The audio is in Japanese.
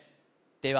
では